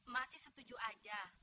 masih setuju aja